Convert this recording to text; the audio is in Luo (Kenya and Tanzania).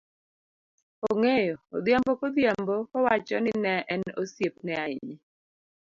ong'eyo, odhiambo kodhiambo, kowacho ni ne en osiepne ahinya.